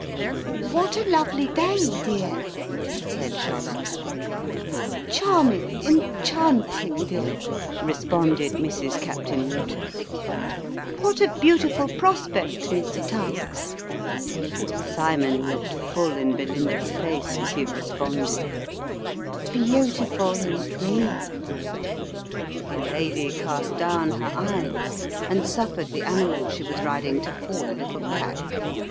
" What a lovely day, dear !" said Charlotta. "Charming; enchanting, dear!" responded Mrs. Captain Waters. " What a beautiful prospect, Mr. Tuggs !" Cymon looked full in Belinda's face, as he responded " Beautiful, indeed !" The lady cast down her eyes, and suffered the animal she was riding to fall a little back.